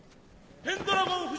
・ペンドラゴン夫人！